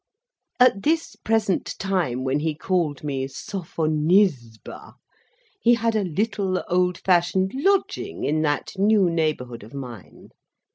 At this present time when he called me "Sophonisba!" he had a little old fashioned lodging in that new neighbourhood of mine.